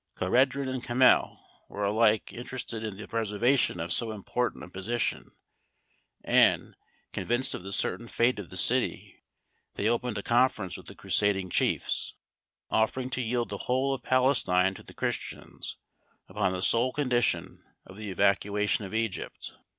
Cohreddin and Camhel were alike interested in the preservation of so important a position, and, convinced of the certain fate of the city, they opened a conference with the crusading chiefs, offering to yield the whole of Palestine to the Christians upon the sole condition of the evacuation of Egypt.